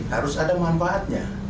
harus ada manfaatnya